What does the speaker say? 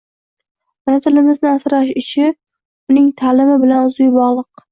Ona tilimizni asrash ishi uning taʼlimi bilan uzviy bogʻliq.